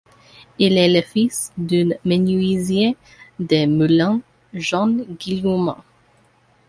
Il est le fils d'un menuisier de Moulins, Jean Guillaumin.